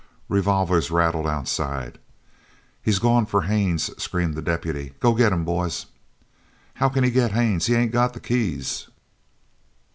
Revolvers rattled outside. "He's gone for Haines," screamed the deputy. "Go get him, boys!" "How can he get Haines? He ain't got the keys."